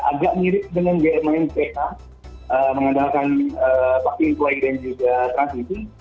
agak mirip dengan jnmc mengandalkan paking kuai dan juga transisi